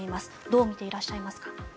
どう見ていらっしゃいますか。